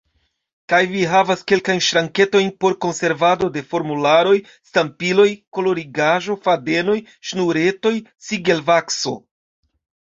Kaj vi havas kelkajn ŝranketojn por konservado de formularoj, stampiloj, kolorigaĵo, fadenoj, ŝnuretoj, sigelvakso.